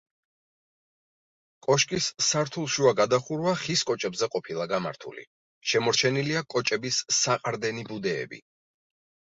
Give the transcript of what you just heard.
კოშკის სართულშუა გადახურვა ხის კოჭებზე ყოფილა გამართული, შემორჩენილია კოჭების საყრდენი ბუდეები.